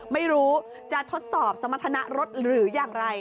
ไม่รู้จะทดสอบสมรรถนะรถหรืออย่างไร